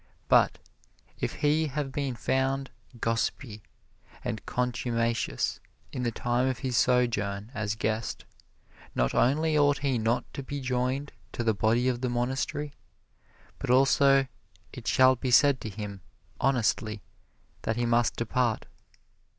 But, if he have been found gossipy and contumacious in the time of his sojourn as guest, not only ought he not to be joined to the body of the monastery, but also it shall be said to him, honestly, that he must depart.